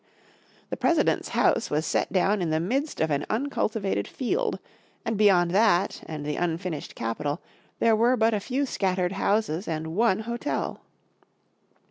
The President's house was set down in the midst of an uncultivated field, and beyond that and the unfinished Capitol there were but a few scattered houses and one hotel.